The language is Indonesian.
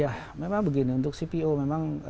ya memang begini untuk cpo memang